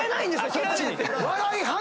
そっちに。